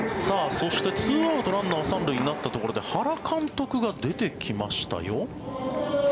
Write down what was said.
そして２アウトランナー３塁になったところで原監督が出てきましたよ。